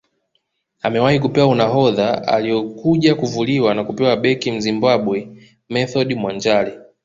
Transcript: Amewahi kupewa unahodha aliokuja kuvuliwa na kupewa beki Mzimbabwe Method Mwanjale